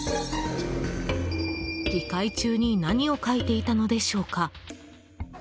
議会中に何を書いていたのでしょうか？